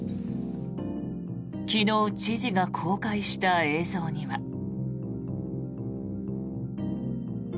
昨日、知事が公開した映像には。